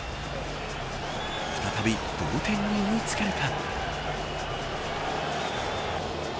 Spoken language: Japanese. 再び同点に追いつけるか。